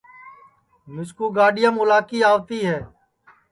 مِسکُو گاڈِؔیام اُلاکی آوتی ہے